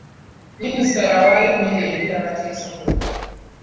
Minisita yawaayo emmere eri abateesobola.